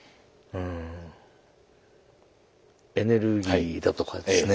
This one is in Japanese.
エネルギーだとかですね